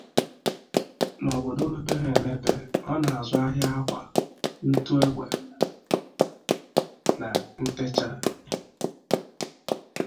N’obodo mepere emepe, ọ na-azụ ahịa akwa, ntụ egbe na ntecha.